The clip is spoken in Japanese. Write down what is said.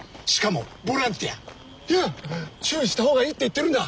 いや注意した方がいいって言ってるんだ